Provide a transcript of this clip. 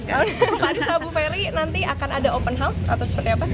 kalau kata bu ferry nanti akan ada open house atau seperti apa